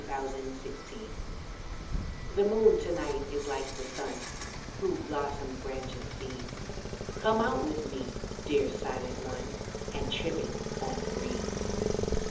THE SILENT ONE The moon to night is like the sun Through blossomed branches seen; Come out with me, dear silent one, And trip it on the green.